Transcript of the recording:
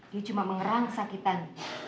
dia cuma mengerang kesakitan